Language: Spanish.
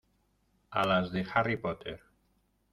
a las de Harry Potter.